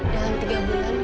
dalam tiga bulan